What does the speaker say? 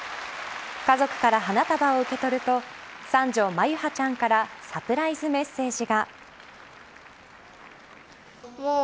家族から花束を受け取ると三女・眞結羽ちゃんからサプライズメッセージが。